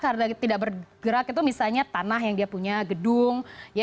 harga tidak bergerak itu misalnya tanah yang dia punya gedung